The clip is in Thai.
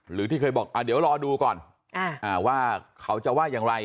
หรือที่เคยบอกเดี๋ยวรอดูก่อนว่าเขาจะว่าอย่างไร